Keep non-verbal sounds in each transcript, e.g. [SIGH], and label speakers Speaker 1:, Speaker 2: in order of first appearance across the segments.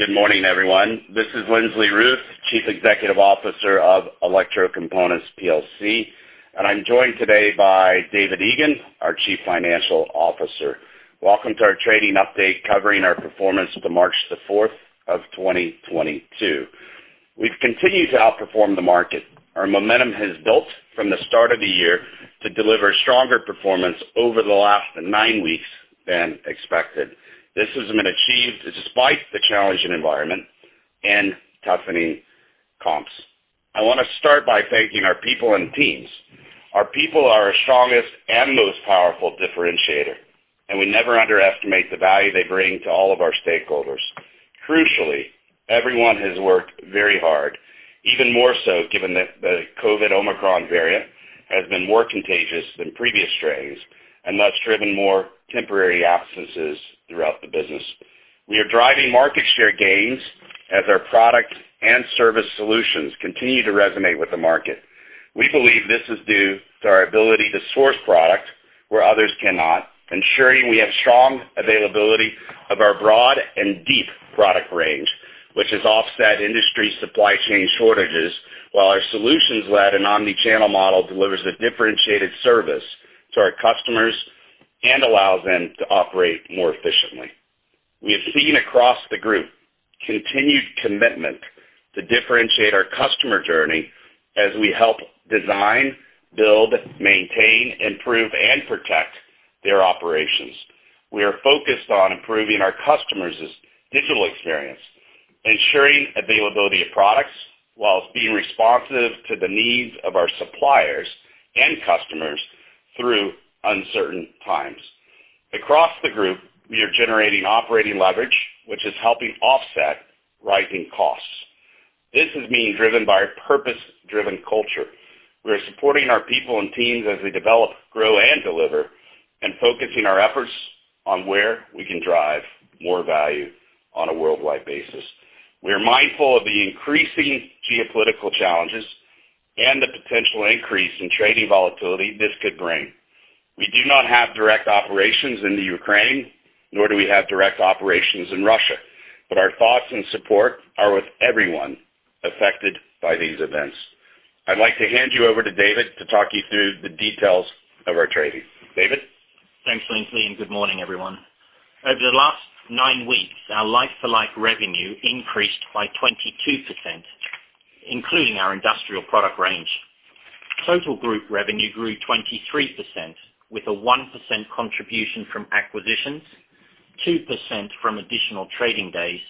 Speaker 1: Good morning, everyone. This is Lindsley Ruth, Chief Executive Officer of RS Group plc, and I'm joined today by David Egan, our Chief Financial Officer. Welcome to our trading update covering our performance to March 4th, 2022. We've continued to outperform the market. Our momentum has built from the start of the year to deliver stronger performance over the last nine weeks than expected. This has been achieved despite the challenging environment and toughening comps. I wanna start by thanking our people and teams. Our people are our strongest and most powerful differentiator, and we never underestimate the value they bring to all of our stakeholders. Crucially, everyone has worked very hard, even more so given that the COVID Omicron variant has been more contagious than previous strains and thus driven more temporary absences throughout the business. We are driving market share gains as our product and service solutions continue to resonate with the market. We believe this is due to our ability to source product where others cannot, ensuring we have strong availability of our broad and deep product range, which has offset industry supply chain shortages, while our solutions-led and omni-channel model delivers a differentiated service to our customers and allows them to operate more efficiently. We have seen across the group continued commitment to differentiate our customer journey as we help design, build, maintain, improve, and protect their operations. We are focused on improving our customers' digital experience, ensuring availability of products while being responsive to the needs of our suppliers and customers through uncertain times. Across the group, we are generating operating leverage, which is helping offset rising costs. This is being driven by a purpose-driven culture. We are supporting our people and teams as they develop, grow, and deliver, and focusing our efforts on where we can drive more value on a worldwide basis. We are mindful of the increasing geopolitical challenges and the potential increase in trading volatility this could bring. We do not have direct operations in the Ukraine, nor do we have direct operations in Russia, but our thoughts and support are with everyone affected by these events. I'd like to hand you over to David to talk you through the details of our trading. David?
Speaker 2: Thanks, Lindsley, and good morning, everyone. Over the last nine weeks, our like-for-like revenue increased by 22%, including our industrial product range. Total group revenue grew 23%, with a 1% contribution from acquisitions, 2% from additional trading days,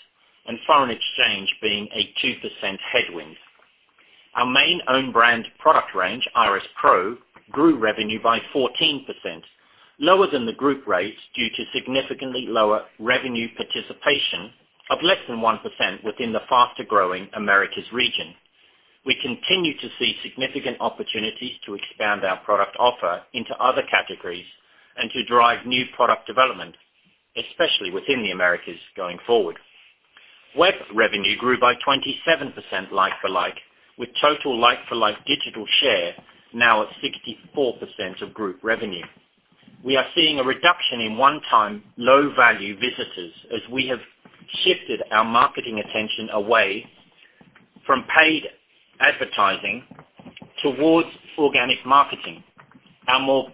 Speaker 2: and foreign exchange being a 2% headwind. Our main own brand product range, RS PRO, grew revenue by 14%, lower than the group rates due to significantly lower revenue participation of less than 1% within the faster-growing Americas region. We continue to see significant opportunities to expand our product offer into other categories and to drive new product development, especially within the Americas going forward. Web revenue grew by 27% like for like, with total like for like digital share now at 64% of group revenue. We are seeing a reduction in one-time low-value visitors as we have shifted our marketing attention away from paid advertising towards organic marketing. Our more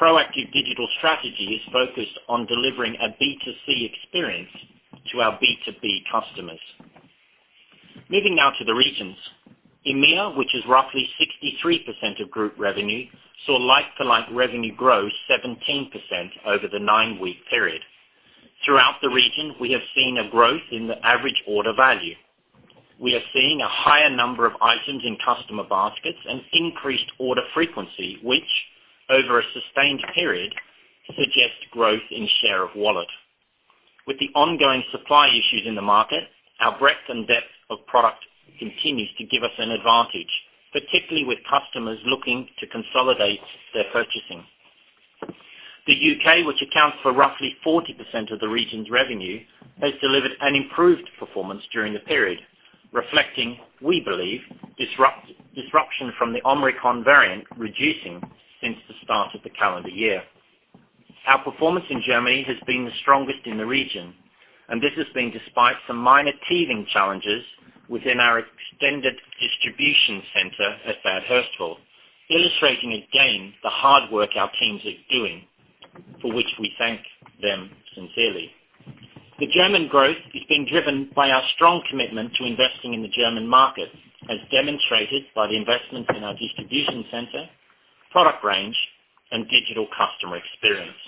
Speaker 2: proactive digital strategy is focused on delivering a B2C experience to our B2B customers. Moving now to the regions. EMEA, which is roughly 63% of group revenue, saw like-for-like revenue grow 17% over the nine-week period. Throughout the region, we have seen a growth in the average order value. We are seeing a higher number of items in customer baskets and increased order frequency, which, over a sustained period, suggests growth in share of wallet. With the ongoing supply issues in the market, our breadth and depth of product continues to give us an advantage, particularly with customers looking to consolidate their purchasing. The U.K., which accounts for roughly 40% of the region's revenue, has delivered an improved performance during the period, reflecting, we believe, disruption from the Omicron variant reducing since the start of the calendar year. Our performance in Germany has been the strongest in the region, and this has been despite some minor teething challenges within our extended distribution center at Bad Hersfeld, illustrating again the hard work our teams are doing, for which we thank them sincerely. The German growth is being driven by our strong commitment to investing in the German market, as demonstrated by the investments in our distribution center, product range, and digital customer experience.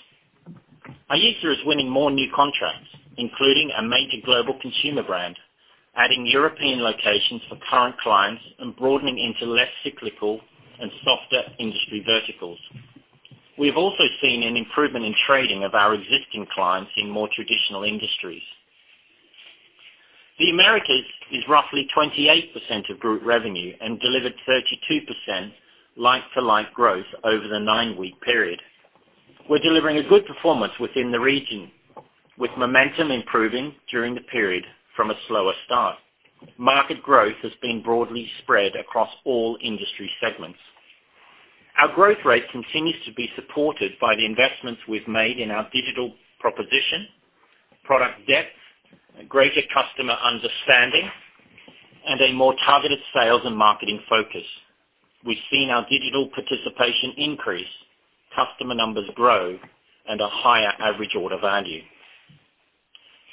Speaker 2: RS is winning more new contracts, including a major global consumer brand, adding European locations for current clients and broadening into less cyclical and softer industry verticals. We have also seen an improvement in trading of our existing clients in more traditional industries. The Americas is roughly 28% of group revenue and delivered 32% like-for-like growth over the nine-week period. We're delivering a good performance within the region, with momentum improving during the period from a slower start. Market growth has been broadly spread across all industry segments. Our growth rate continues to be supported by the investments we've made in our digital proposition, product depth, greater customer understanding, and a more targeted sales and marketing focus. We've seen our digital participation increase, customer numbers grow, and a higher average order value.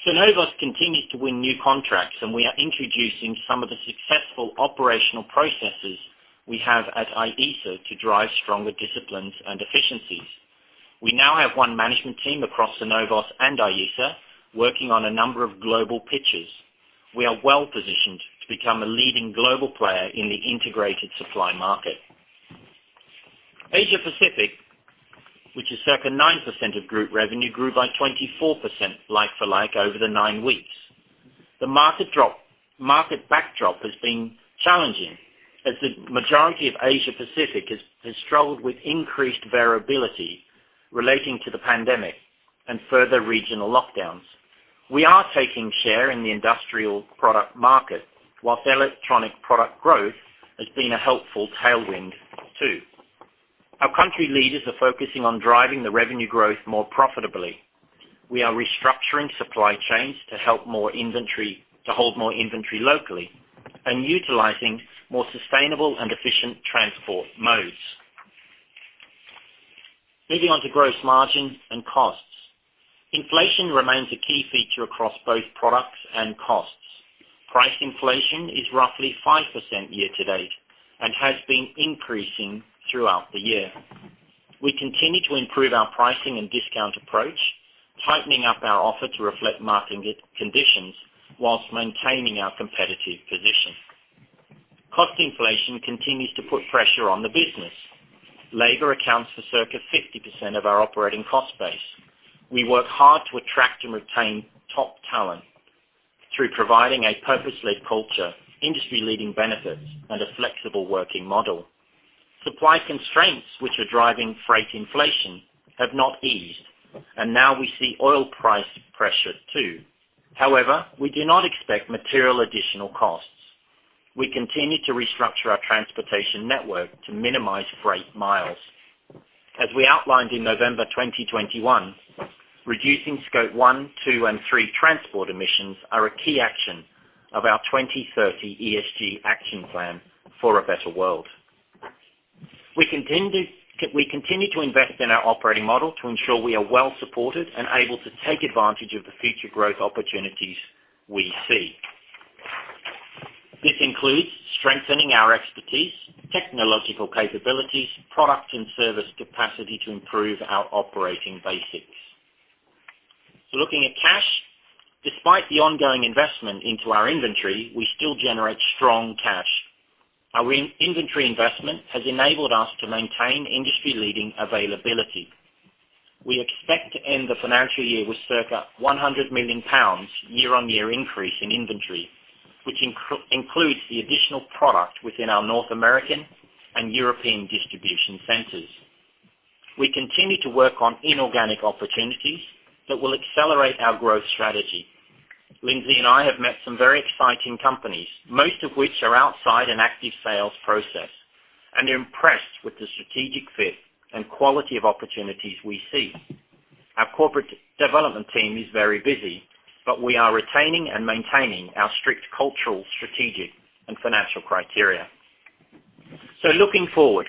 Speaker 2: Cenovus continues to win new contracts, and we are introducing some of the successful operational processes we have at IESA to drive stronger disciplines and efficiencies. We now have one management team across Cenovus and IESA working on a number of global pitches. We are well-positioned to become a leading global player in the integrated supply market. Asia Pacific, which is circa 9% of group revenue, grew by 24% like-for-like over the nine weeks. The market backdrop has been challenging as the majority of Asia Pacific has struggled with increased variability relating to the pandemic and further regional lockdowns. We are taking share in the industrial product market, while electronic product growth has been a helpful tailwind too. Our country leaders are focusing on driving the revenue growth more profitably. We are restructuring supply chains to hold more inventory locally and utilizing more sustainable and efficient transport modes. Moving on to gross margin and costs. Inflation remains a key feature across both products and costs. Price inflation is roughly 5% year-to-date and has been increasing throughout the year. We continue to improve our pricing and discount approach, tightening up our offering to reflect market conditions while maintaining our competitive position. Cost inflation continues to put pressure on the business. Labor accounts for circa 50% of our operating cost base. We work hard to attract and retain top talent through providing a purpose-led culture, industry-leading benefits, and a flexible working model. Supply constraints which are driving freight inflation have not eased, and now we see oil price pressures too. However, we do not expect material additional costs. We continue to restructure our transportation network to minimize freight miles. As we outlined in November 2021, reducing Scope 1, 2, and 3 transport emissions are a key action of our 2030 ESG action plan for a better world. We continue to invest in our operating model to ensure we are well supported and able to take advantage of the future growth opportunities we see. This includes strengthening our expertise, technological capabilities, product and service capacity to improve our operating basics. Looking at cash. Despite the ongoing investment into our inventory, we still generate strong cash. Our inventory investment has enabled us to maintain industry-leading availability. We expect to end the financial year with circa 100 million pounds year-on-year increase in inventory, which includes the additional product within our North American and European distribution centers. We continue to work on inorganic opportunities that will accelerate our growth strategy. Lindsley and I have met some very exciting companies, most of which are outside an active sales process, and are impressed with the strategic fit and quality of opportunities we see. Our corporate development team is very busy, but we are retaining and maintaining our strict cultural, strategic, and financial criteria. Looking forward.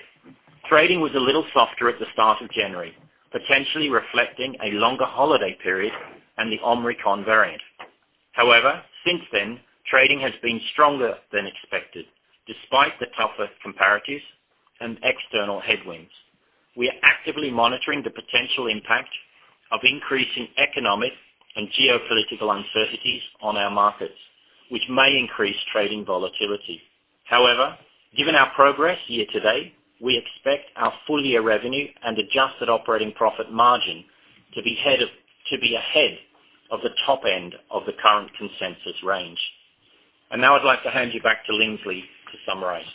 Speaker 2: Trading was a little softer at the start of January, potentially reflecting a longer holiday period and the Omicron variant. However, since then, trading has been stronger than expected, despite the tougher comparatives and external headwinds. We are actively monitoring the potential impact of increasing economic and geopolitical uncertainties on our markets, which may increase trading volatility. However, given our progress year-to-date, we expect our full-year revenue and adjusted operating profit margin to be ahead of the top end of the current consensus range. Now I'd like to hand you back to Lindsley to summarize.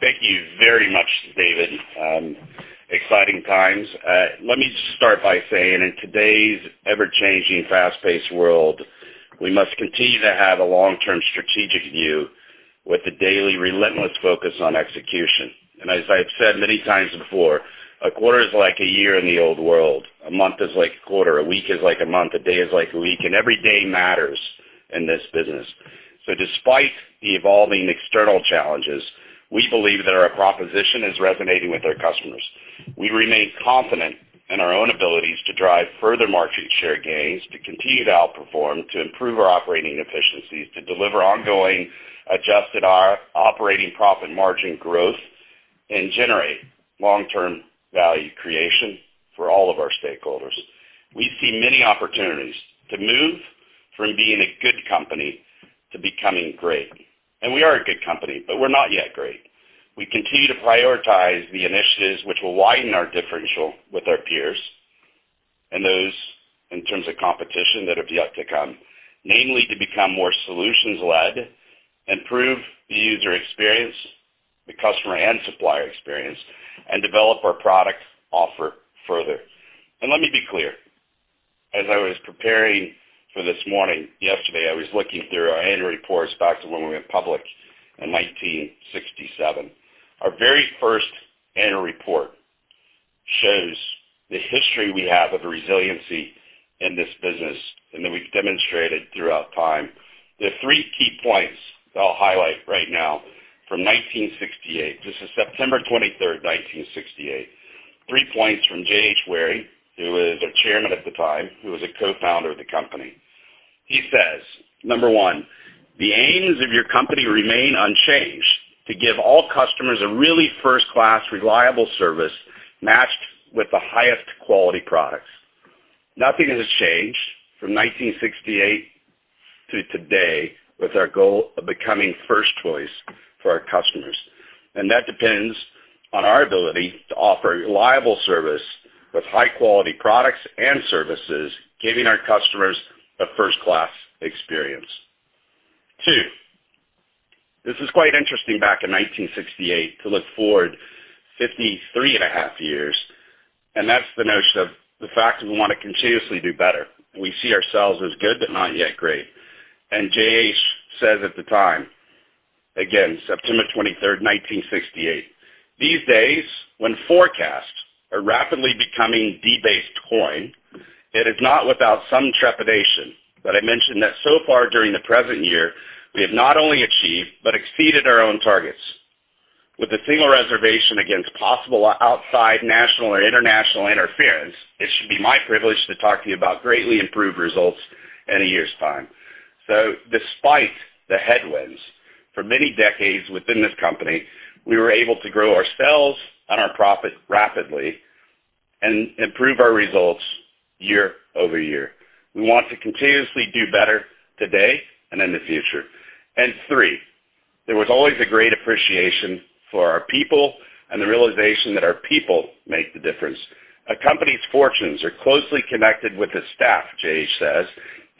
Speaker 1: Thank you very much, David. Exciting times. Let me just start by saying, in today's ever-changing, fast-paced world, we must continue to have a long-term strategic view with a daily relentless focus on execution. As I have said many times before, a quarter is like a year in the old world. A month is like a quarter, a week is like a month, a day is like a week, and every day matters in this business. Despite the evolving external challenges, we believe that our proposition is resonating with our customers. We remain confident in our own abilities to drive further market share gains, to continue to outperform, to improve our operating efficiencies, to deliver ongoing adjusted operating profit margin growth, and generate long-term value creation for all of our stakeholders. We see many opportunities to move from being a good company to becoming great. We are a good company, but we're not yet great. We continue to prioritize the initiatives which will widen our differential with our peers and those in terms of competition that have yet to come, namely to become more solutions-led, improve the user experience, the customer and supplier experience, and develop our product offer further. Let me be clear. As I was preparing for this morning, yesterday, I was looking through our annual reports back to when we went public in 1967. Our very first annual report shows the history we have of the resiliency in this business and that we've demonstrated throughout time. There are three key points that I'll highlight right now from 1968. This is September 23rd, 1968. Three points from J. H. Waring, who was our Chairman at the time, who was a Co-founder of the company. He says, number 1, "The aims of your company remain unchanged to give all customers a really first-class, reliable service matched with the highest quality products." Nothing has changed from 1968 to today with our goal of becoming first choice for our customers. That depends on our ability to offer reliable service with high-quality products and services, giving our customers a first-class experience. two, this is quite interesting back in 1968 to look forward 53.5 years, and that's the notion of the fact that we wanna continuously do better. We see ourselves as good, but not yet great. JH says at the time, again, September 23rd, 1968, "These days, when forecasts are rapidly becoming debased coin, it is not without some trepidation that I mentioned that so far during the present year, we have not only achieved but exceeded our own targets. With a single reservation against possible outside national or international interference, it should be my privilege to talk to you about greatly improved results in a year's time. Despite the headwinds, for many decades within this company, we were able to grow our sales and our profit rapidly and improve our results year-over-year. We want to continuously do better today and in the future. Three, there was always a great appreciation for our people and the realization that our people make the difference. "A company's fortunes are closely connected with the staff," J.H. says.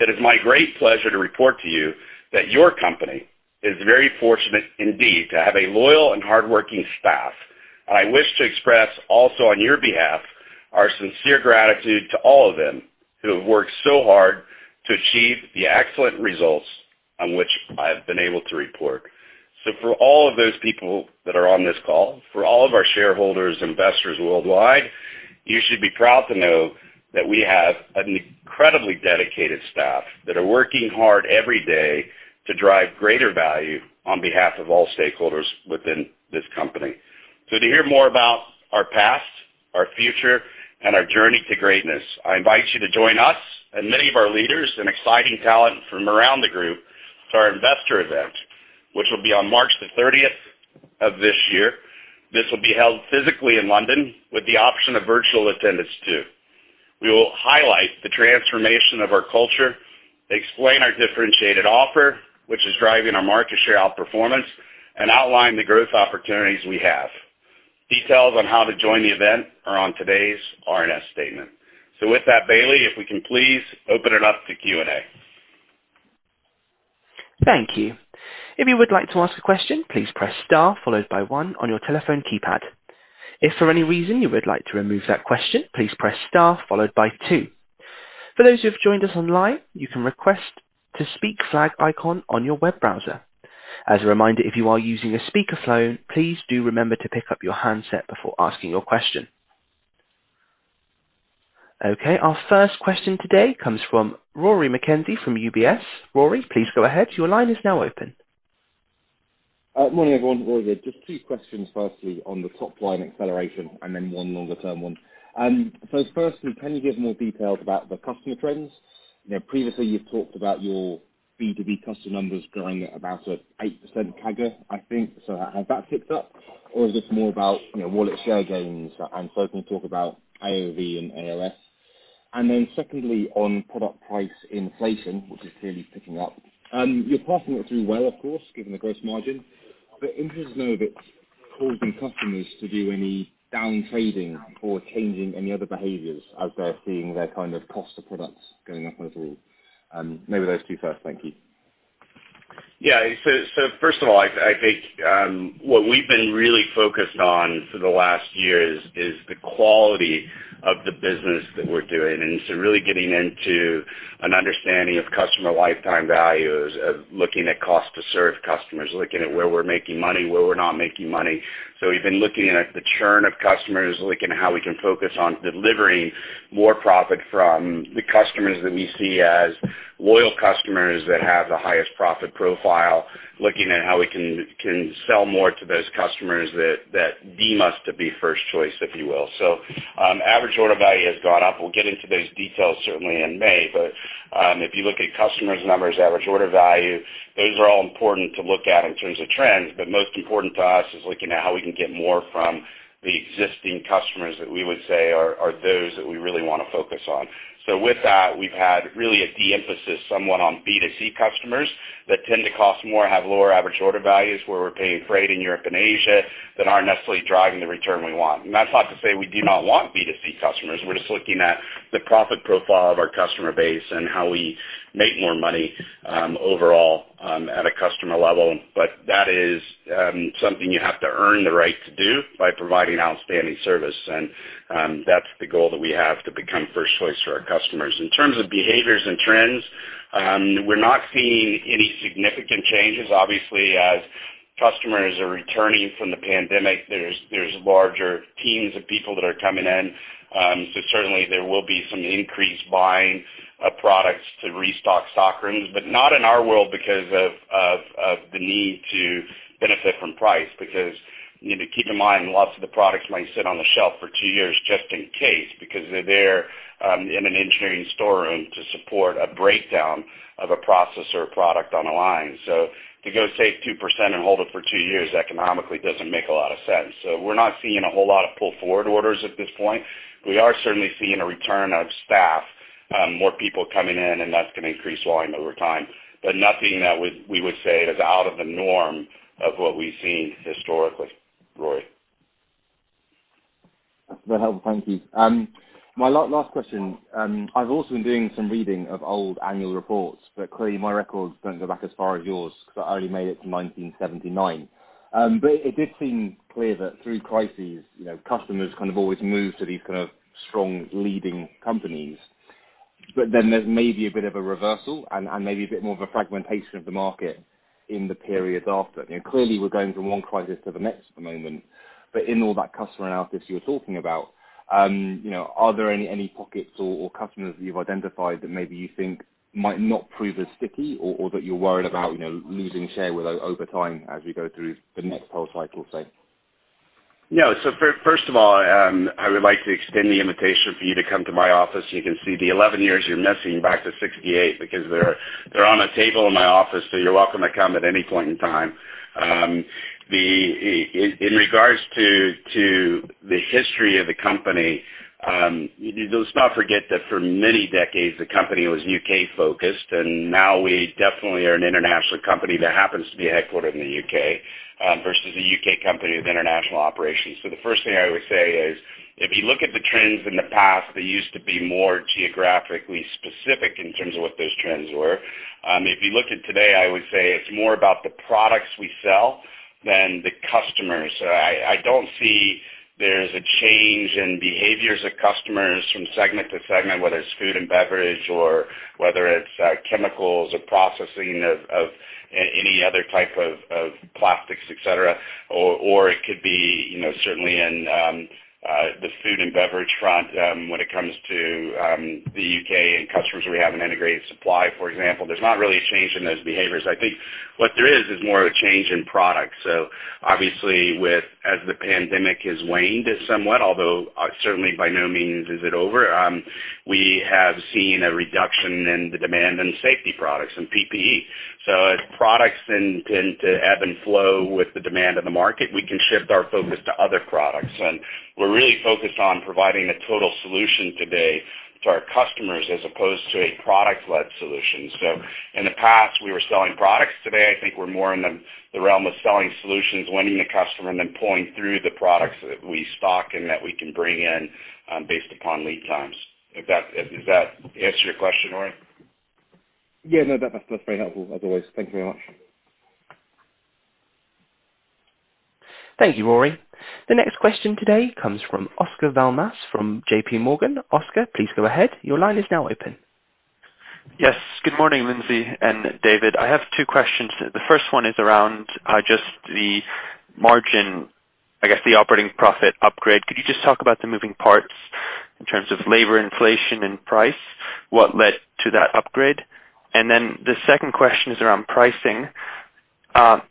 Speaker 1: "It is my great pleasure to report to you that your company is very fortunate indeed to have a loyal and hardworking staff. I wish to express also on your behalf our sincere gratitude to all of them who have worked so hard to achieve the excellent results on which I have been able to report." For all of those people that are on this call, for all of our shareholders, investors worldwide, you should be proud to know that we have an incredibly dedicated staff that are working hard every day to drive greater value on behalf of all stakeholders within this company. To hear more about our past, our future, and our journey to greatness, I invite you to join us and many of our leaders and exciting talent from around the group to our investor event, which will be on March the 30th of this year. This will be held physically in London with the option of virtual attendance too. We will highlight the transformation of our culture, explain our differentiated offer, which is driving our market share outperformance, and outline the growth opportunities we have. Details on how to join the event are on today's RNS statement. With that, Bailey, if we can please open it up to Q&A.
Speaker 3: Okay, our first question today comes from Rory McKenzie from UBS. Rory, please go ahead. Your line is now open.
Speaker 4: Morning, everyone. Rory here. Just two questions, firstly on the top line acceleration and then one longer-term one. Firstly, can you give more details about the customer trends? You know, previously you've talked about your B2B customer numbers growing at about 8% CAGR, I think. Has that picked up or is this more about, you know, wallet share gains? Secondly, talk about AOV and ALS. Secondly, on product price inflation, which is clearly picking up, you're passing it through well, of course, given the gross margin. Interested to know if it's causing customers to do any down trading or changing any other behaviors as they're seeing their kind of cost of products going up overall. Maybe those two first. Thank you.
Speaker 1: Yeah. First of all, I think what we've been really focused on for the last year is the quality of the business that we're doing, and so really getting into an understanding of customer lifetime values, of looking at cost to serve customers, looking at where we're making money, where we're not making money. We've been looking at the churn of customers, looking at how we can focus on delivering more profit from the customers that we see as loyal customers that have the highest profit profile, looking at how we can sell more to those customers that deem us to be first choice, if you will. Average order value has gone up. We'll get into those details certainly in May. If you look at customers numbers, average order value, those are all important to look at in terms of trends. Most important to us is looking at how we can get more from the existing customers that we would say are those that we really wanna focus on. With that, we've had really a de-emphasis somewhat on B2C customers that tend to cost more, have lower average order values, where we're paying freight in Europe and Asia, that aren't necessarily driving the return we want. That's not to say we do not want B2C customers. We're just looking at the profit profile of our customer base and how we make more money, overall, at a customer level. That is something you have to earn the right to do by providing outstanding service. That's the goal that we have to become first choice for our customers. In terms of behaviors and trends, we're not seeing any significant changes. Obviously, as customers are returning from the pandemic, there's larger teams of people that are coming in. So certainly there will be some increased buying of products to restock stock rooms, but not in our world because of the need to benefit from price. Because you need to keep in mind, lots of the products might sit on the shelf for two years just in case, because they're there in an engineering storeroom to support a breakdown of a process or a product on a line. We're not seeing a whole lot of pull-forward orders at this point. We are certainly seeing a return of staff, more people coming in, and that's gonna increase volume over time. Nothing we would say is out of the norm of what we've seen historically, Rory.
Speaker 4: That's very helpful. Thank you. My last question. I've also been doing some reading of old annual reports, but clearly my records don't go back as far as yours, 'cause I only made it to 1979. It did seem clear that through crises, you know, customers kind of always move to these kind of strong leading companies. There's maybe a bit of a reversal and maybe a bit more of a fragmentation of the market in the periods after. You know, clearly we're going from one crisis to the next at the moment. In all that customer analysis you're talking about, you know, are there any pockets or customers that you've identified that maybe you think might not prove as sticky or that you're worried about, you know, losing share with over time as we go through the next whole cycle, say?
Speaker 1: No. First of all, I would like to extend the invitation for you to come to my office so you can see the 11 years you're missing back to 1968 because they're on a table in my office, so you're welcome to come at any point in time. In regards to the history of the company, you just can't forget that for many decades the company was U.K. focused, and now we definitely are an international company that happens to be headquartered in The U.K. versus a UK company with international operations. The first thing I would say is if you look at the trends in the past, they used to be more geographically specific in terms of what those trends were. If you look at today, I would say it's more about the products we sell than the customers. I don't see there's a change in behaviors of customers from segment to segment, whether it's food and beverage or whether it's chemicals or processing of any other type of plastics, et cetera. It could be, you know, certainly in the food and beverage front, when it comes to The U.K. and customers where we have an integrated supply, for example. There's not really a change in those behaviors. I think what there is is more of a change in product. Obviously as the pandemic has waned somewhat, although certainly by no means is it over, we have seen a reduction in the demand for safety products and PPE. As products tend to ebb and flow with the demand of the market, we can shift our focus to other products. We're really focused on providing a total solution today to our customers as opposed to a product-led solution. In the past, we were selling products. Today, I think we're more in the realm of selling solutions, winning the customer, and then pulling through the products that we stock and that we can bring in, based upon lead times. Does that answer your question, Rory?
Speaker 4: Yeah, no, that's very helpful as always. Thank you very much.
Speaker 3: Thank you, Rory. The next question today comes from Oscar Val Mas from JPMorgan. Oscar, please go ahead. Your line is now open.
Speaker 5: Yes. Good morning, Lindsley and David. I have two questions. The first one is around just the margin, I guess the operating profit upgrade. Could you just talk about the moving parts in terms of labor inflation and price, what led to that upgrade? The second question is around pricing.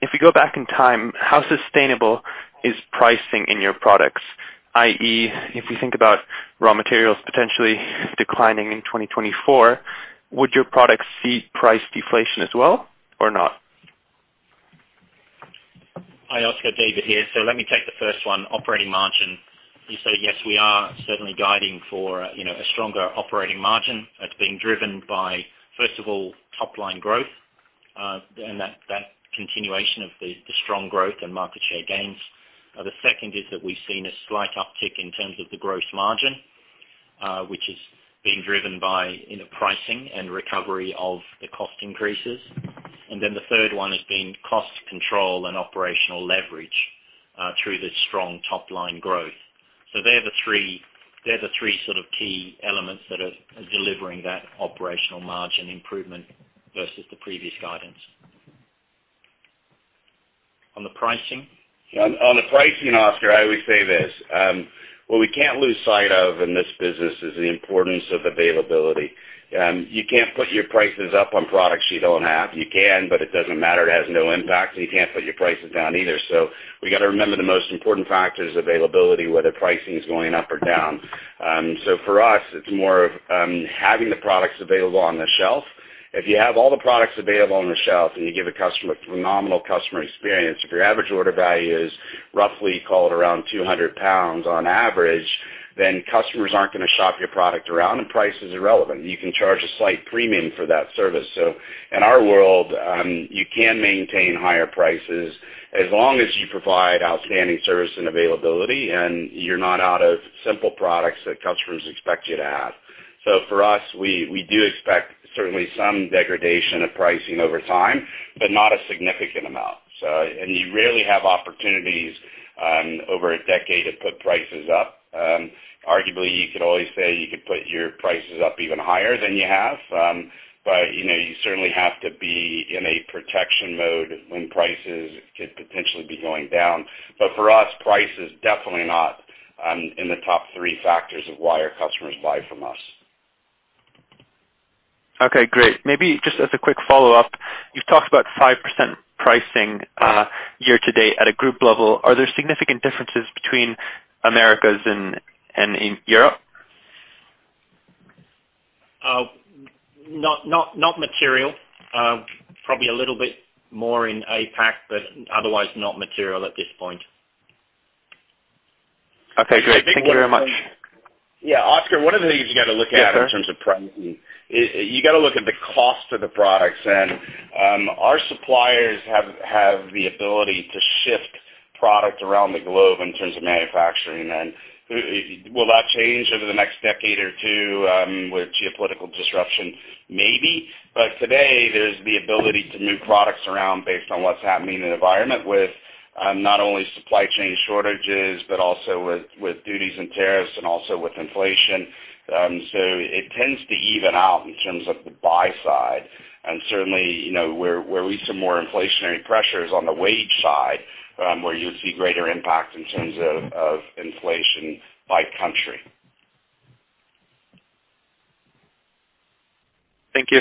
Speaker 5: If you go back in time, how sustainable is pricing in your products? i.e., if you think about raw materials potentially declining in 2024, would your products see price deflation as well or not?
Speaker 2: Hi, Oscar. David here. Let me take the first one, operating margin. Yes, we are certainly guiding for, you know, a stronger operating margin that's being driven by, first of all, top-line growth, and that continuation of the strong growth and market share gains. The second is that we've seen a slight uptick in terms of the gross margin, which is being driven by, you know, pricing and recovery of the cost increases. Then the third one has been cost control and operational leverage through the strong top-line growth. They're the three sort of key elements that are delivering that operational margin improvement versus the previous guidance. On the pricing?
Speaker 1: On the pricing, Oscar, I would say this. What we can't lose sight of in this business is the importance of availability. You can't put your prices up on products you don't have. You can, but it doesn't matter. It has no impact. You can't put your prices down either. We gotta remember the most important factor is availability, whether pricing is going up or down. For us, it's more of, having the products available on the shelf. If you have all the products available on the shelf and you give a customer a phenomenal customer experience, if your average order value is roughly, call it around 200 pounds on average, then customers aren't gonna shop your product around and price is irrelevant. You can charge a slight premium for that service. In our world, you can maintain higher prices as long as you provide outstanding service and availability and you're not out of simple products that customers expect you to have. For us, we do expect certainly some degradation of pricing over time, but not a significant amount. You rarely have opportunities over a decade to put prices up. Arguably, you could always say you could put your prices up even higher than you have. You know, you certainly have to be in a protection mode when prices could potentially be going down. For us, price is definitely not in the top three factors of why our customers buy from us.
Speaker 5: Okay, great. Maybe just as a quick follow-up, you've talked about 5% pricing year to date at a group level. Are there significant differences between Americas and in Europe?
Speaker 2: Not material. Probably a little bit more in APAC, but otherwise not material at this point.
Speaker 5: Okay, great. Thank you very much.
Speaker 1: Yeah. Oscar, one of the things you got to look at.
Speaker 5: Yes, sir.
Speaker 1: In terms of pricing, you gotta look at the cost of the products. Our suppliers have the ability to shift product around the globe in terms of manufacturing. Will that change over the next decade or two with geopolitical disruption? Maybe. Today, there's the ability to move products around based on what's happening in the environment with not only supply chain shortages, but also with duties and tariffs and also with inflation. It tends to even out in terms of the buy side. Certainly, you know, where we see more inflationary pressures on the wage side, where you would see greater impact in terms of inflation by country.
Speaker 5: Thank you.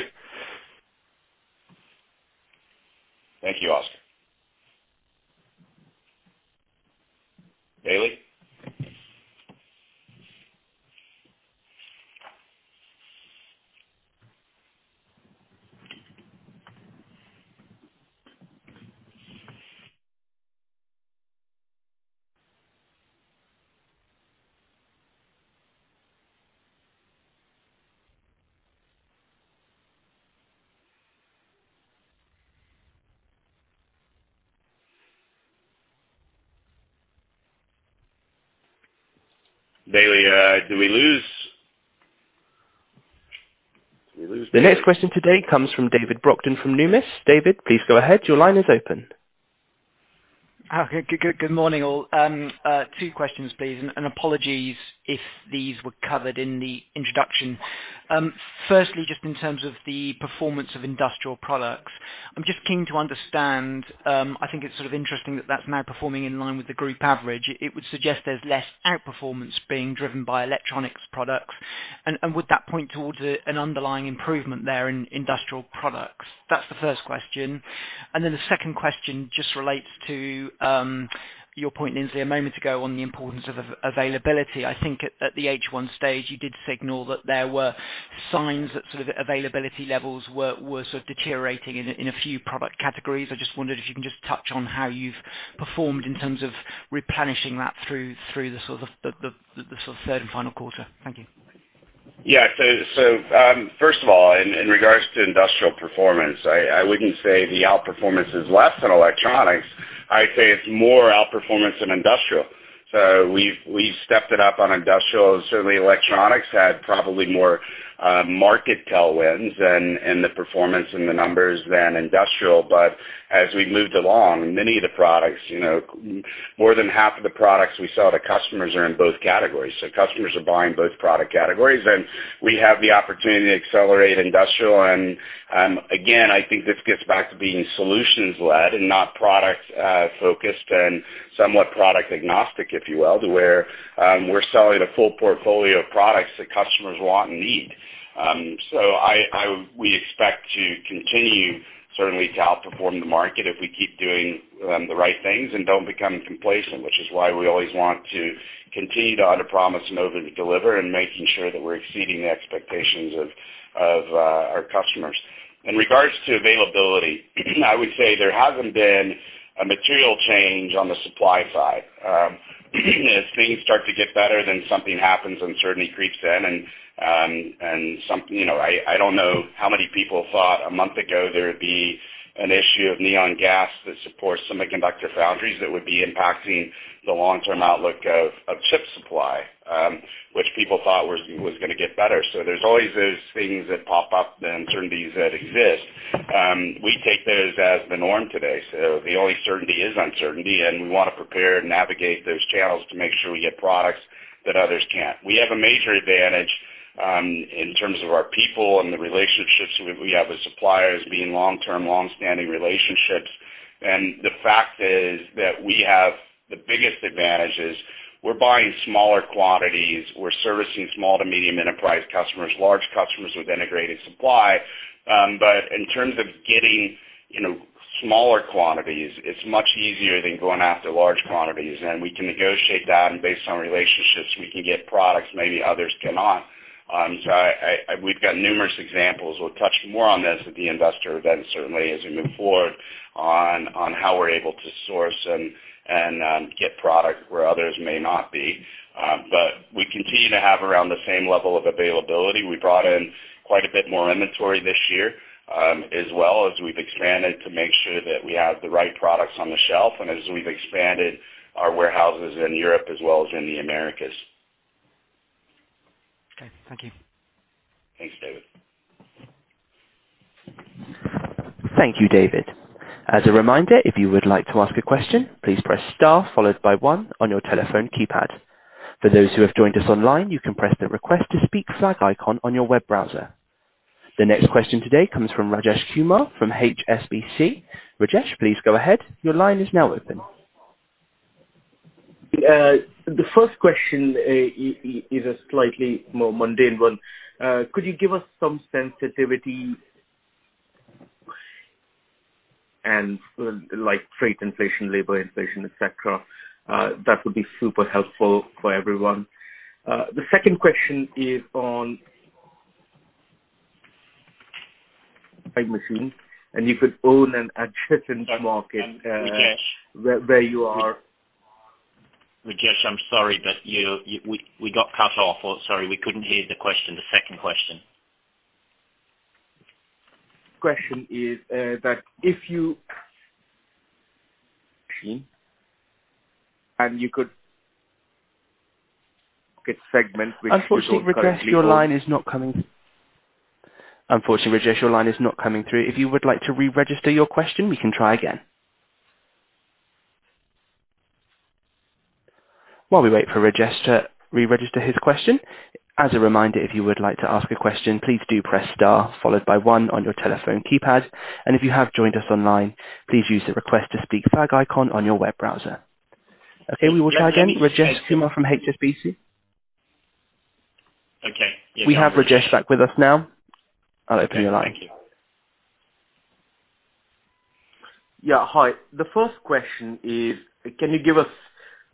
Speaker 1: Thank you, Oscar. Bailey, did we lose Bailey?
Speaker 3: The next question today comes from David Brockton from Numis. David, please go ahead. Your line is open.
Speaker 6: Oh, good morning, all. Two questions, please, and apologies if these were covered in the introduction. Firstly, just in terms of the performance of industrial products, I'm just keen to understand, I think it's sort of interesting that that's now performing in line with the group average. It would suggest there's less outperformance being driven by electronics products. Would that point towards an underlying improvement there in industrial products? That's the first question. The second question just relates to your point, Lindsley, a moment ago on the importance of availability. I think at the H1 stage, you did signal that there were signs that sort of availability levels were sort of deteriorating in a few product categories. I just wondered if you can just touch on how you've performed in terms of replenishing that through the sort of third and final quarter. Thank you.
Speaker 1: Yeah. First of all, in regards to industrial performance, I wouldn't say the outperformance is less than electronics. I'd say it's more outperformance than industrial. We've stepped it up on industrial. Certainly, electronics had probably more market tailwinds than in the performance and the numbers than industrial. As we moved along, many of the products, you know, more than half of the products we sell to customers are in both categories. Customers are buying both product categories, and we have the opportunity to accelerate industrial. Again, I think this gets back to being solutions led and not product focused and somewhat product agnostic, if you will, to where we're selling a full portfolio of products that customers want and need. We expect to continue certainly to outperform the market if we keep doing the right things and don't become complacent, which is why we always want to continue to under promise and over deliver and making sure that we're exceeding the expectations of our customers. In regards to availability, I would say there hasn't been a material change on the supply side. As things start to get better, then something happens, uncertainty creeps in and you know, I don't know how many people thought a month ago there would be an issue of neon gas that supports semiconductor foundries that would be impacting the long-term outlook of chip supply, which people thought was gonna get better. There's always those things that pop up, the uncertainties that exist. We take those as the norm today. The only certainty is uncertainty, and we want to prepare and navigate those channels to make sure we get products that others can't. We have a major advantage in terms of our people and the relationships we have with suppliers being long-term, long-standing relationships. The fact is that we have the biggest advantages. We're buying smaller quantities. We're servicing small to medium enterprise customers, large customers with integrated supply, in terms of getting, you know, smaller quantities, it's much easier than going after large quantities. We can negotiate that, and based on relationships, we can get products maybe others cannot. We've got numerous examples. We'll touch more on this at the investor event, certainly as we move forward on how we're able to source and get product where others may not be. We continue to have around the same level of availability. We brought in quite a bit more inventory this year, as well as we've expanded to make sure that we have the right products on the shelf and as we've expanded our warehouses in Europe as well as in the Americas.
Speaker 6: Okay. Thank you.
Speaker 1: Thanks, David.
Speaker 3: Thank you, David. As a reminder, if you would like to ask a question, please press star followed by one on your telephone keypad. For those who have joined us online, you can press the Request to speak flag icon on your web browser. The next question today comes from Rajesh Kumar from HSBC. Rajesh, please go ahead. Your line is now open.
Speaker 7: The first question is a slightly more mundane one. Could you give us some sensitivity and like freight inflation, labor inflation, et cetera? That would be super helpful for everyone. The second question is on... Type machines, and you could own an adjacent market.
Speaker 2: Rajesh.
Speaker 7: Where you are.
Speaker 2: Rajesh, I'm sorry, but we got cut off. Or sorry, we couldn't hear the question, the second question.
Speaker 7: Question is, that if you [AUDIO DISTORTION] It's a segment which you don't currently own.
Speaker 3: Unfortunately, Rajesh, your line is not coming. Unfortunately, Rajesh, your line is not coming through. If you would like to re-register your question, we can try again. While we wait for Rajesh to re-register his question, as a reminder, if you would like to ask a question, please do press star followed by one on your telephone keypad. If you have joined us online, please use the Request to speak flag icon on your web browser. Okay, we will try again. Rajesh Kumar from HSBC.
Speaker 2: Okay.
Speaker 3: We have Rajesh back with us now. I'll open your line.
Speaker 7: Thank you. Yeah, hi. The first question is, can you give us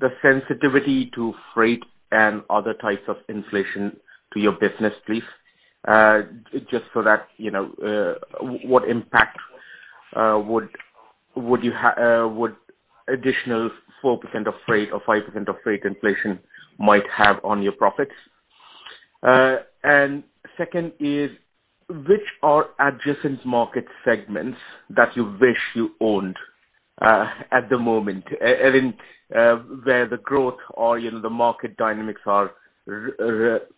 Speaker 7: the sensitivity to freight and other types of inflation to your business, please? Just so that, you know, what impact would additional 4% of freight or 5% of freight inflation might have on your profits. Second is, which are adjacent market segments that you wish you owned at the moment? I mean, where the growth or, you know, the market dynamics are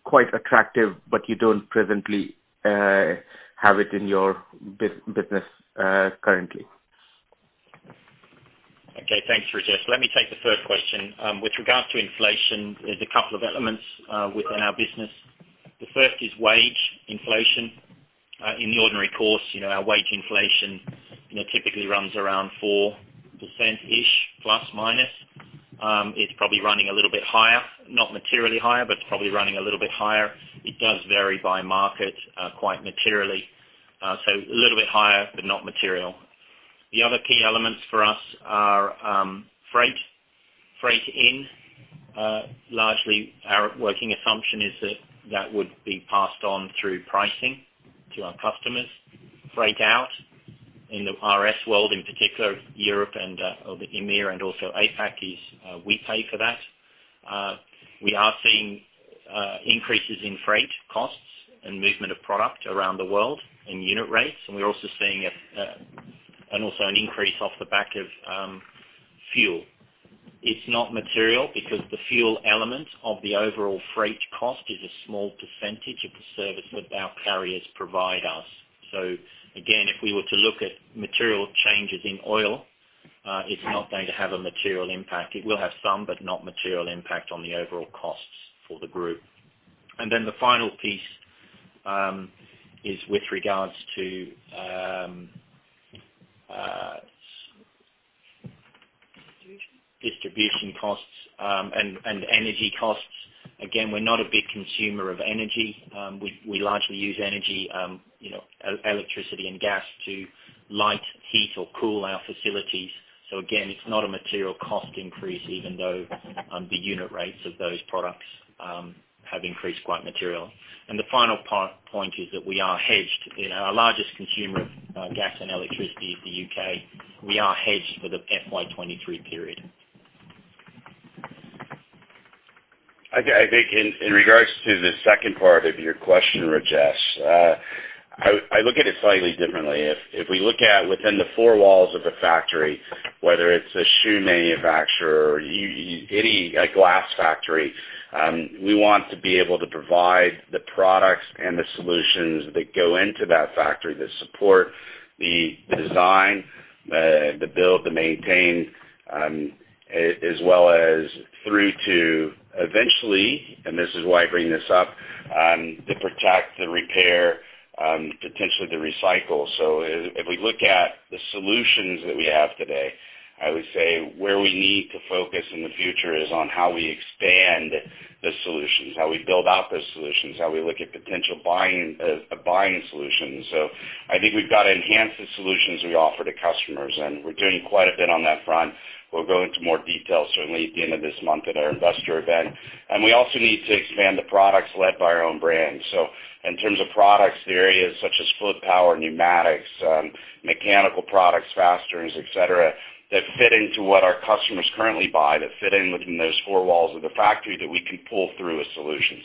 Speaker 7: quite attractive, but you don't presently have it in your business currently.
Speaker 2: Okay, thanks, Rajesh. Let me take the first question. With regards to inflation, there's a couple of elements within our business. The first is wage inflation. In the ordinary course, you know, our wage inflation, you know, typically runs around 4%+- its probably running a little bit higher not materially higher but probably running a little bit higher it does well by market quite materially, so a little bit higher but not material, the other key element for us, are freight in, largely working assumption is that it would be passed on through pricing to our customers, freight out in the RS world in particular Europe We are seeing increases in freight costs and movement of product around the world in unit rates. We're also seeing an increase off the back of fuel. It's not material because the fuel element of the overall freight cost is a small percentage of the service that our carriers provide us. Again, if we were to look at material changes in oil, it's not going to have a material impact. It will have some, but not material impact on the overall costs for the group. Then the final piece is with regards to. Distribution costs and energy costs. Again, we're not a big consumer of energy. We largely use energy, you know, electricity and gas to light, heat or cool our facilities. Again, it's not a material cost increase, even though the unit rates of those products have increased quite materially. The final point is that we are hedged. You know, our largest consumer of gas and electricity is The U.K. We are hedged for the FY 2023 period.
Speaker 1: I think in regards to the second part of your question, Rajesh, I look at it slightly differently. If we look within the four walls of the factory, whether it's a shoe manufacturer or a glass factory, we want to be able to provide the products and the solutions that go into that factory that support the design, the build, the maintain, as well as through to eventually, and this is why I bring this up, to protect, to repair, potentially to recycle. If we look at the solutions that we have today, I would say where we need to focus in the future is on how we expand the solutions, how we build out those solutions, how we look at potential buying solutions. I think we've got to enhance the solutions we offer to customers, and we're doing quite a bit on that front. We'll go into more detail certainly at the end of this month at our investor event. We also need to expand the products led by our own brand. In terms of products, the areas such as fluid power, pneumatics, mechanical products, fasteners, et cetera, that fit into what our customers currently buy, that fit in within those four walls of the factory that we can pull through a solution.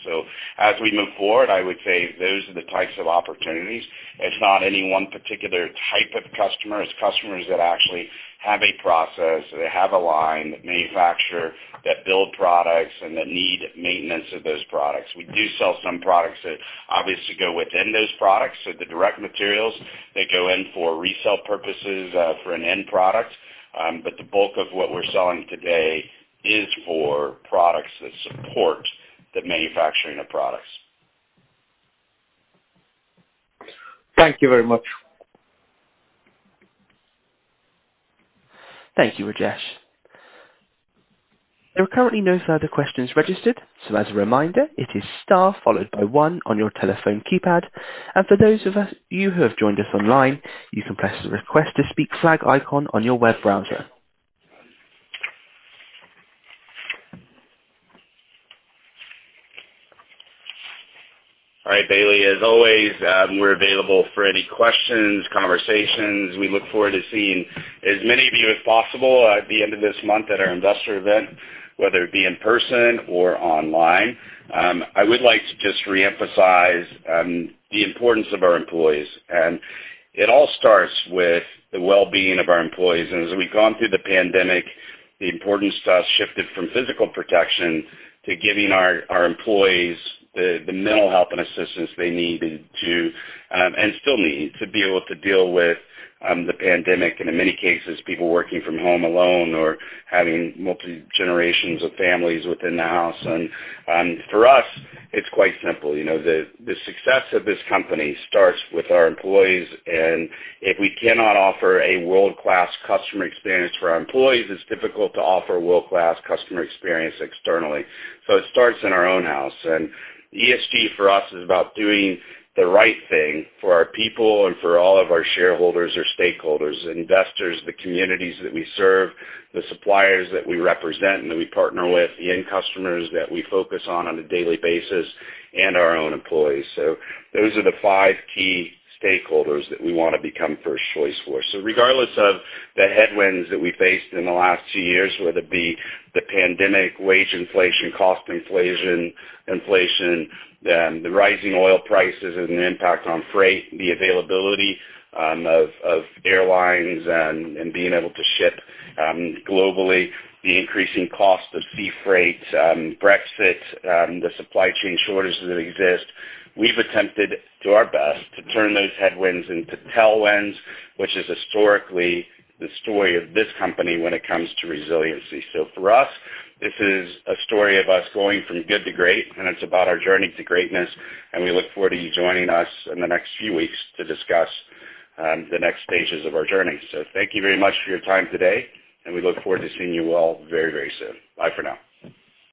Speaker 1: As we move forward, I would say those are the types of opportunities. It's not any one particular type of customers. Customers that actually have a process, they have a line, that manufacture, that build products, and that need maintenance of those products. We do sell some products that obviously go within those products, so the direct materials that go in for resale purposes, for an end product. The bulk of what we're selling today is for products that support the manufacturing of products.
Speaker 7: Thank you very much.
Speaker 3: Thank you, Rajesh. There are currently no further questions registered, so as a reminder, it is star followed by one on your telephone keypad. For those of you who have joined us online, you can press the Request to Speak flag icon on your web browser.
Speaker 1: All right, Bailey. As always, we're available for any questions, conversations. We look forward to seeing as many of you as possible at the end of this month at our investor event, whether it be in person or online. I would like to just reemphasize the importance of our employees. It all starts with the well-being of our employees. As we've gone through the pandemic, the importance to us shifted from physical protection to giving our employees the mental health and assistance they needed to and still need to be able to deal with the pandemic and in many cases, people working from home alone or having multi-generations of families within the house. For us, it's quite simple, you know. The success of this company starts with our employees. If we cannot offer a world-class customer experience for our employees, it's difficult to offer a world-class customer experience externally. It starts in our own house. ESG for us is about doing the right thing for our people and for all of our shareholders or stakeholders, investors, the communities that we serve, the suppliers that we represent and that we partner with, the end customers that we focus on a daily basis, and our own employees. Those are the five key stakeholders that we wanna become first choice for. Regardless of the headwinds that we faced in the last two years, whether it be the pandemic, wage inflation, cost inflation, the rising oil prices and the impact on freight, the availability of airlines and being able to ship globally, the increasing cost of sea freight, Brexit, the supply chain shortages that exist, we've attempted to our best to turn those headwinds into tailwinds, which is historically the story of this company when it comes to resiliency. For us, this is a story of us going from good to great, and it's about our journey to greatness, and we look forward to you joining us in the next few weeks to discuss the next stages of our journey. Thank you very much for your time today, and we look forward to seeing you all very, very soon. Bye for now.